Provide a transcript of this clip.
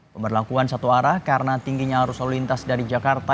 pemberlakuan satu arah karena tingginya arus lalu lintas dari jakarta